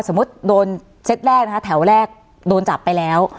โดนเซ็ตแรกนะคะแถวแรกโดนจับไปแล้ว